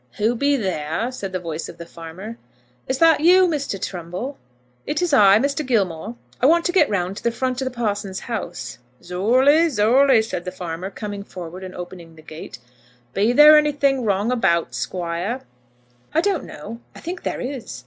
"Who be there?" said the voice of the farmer. "Is that you, Mr. Trumbull? It is I, Mr. Gilmore. I want to get round to the front of the parson's house." "Zurely, zurely," said the farmer, coming forward and opening the gate. "Be there anything wrong about, Squire?" "I don't know. I think there is.